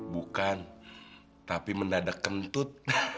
bukan tapi mendadak kentut